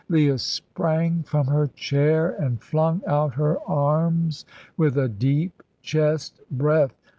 Leah sprang from her chair and flung out her arms with a deep chest breath.